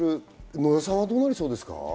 野田さんはどうなりそうですか。